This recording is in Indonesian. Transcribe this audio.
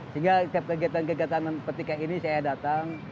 sehingga setiap kegiatan kegiatan petika ini saya datang